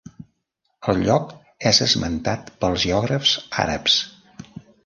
El lloc és esmentat pels geògrafs àrabs.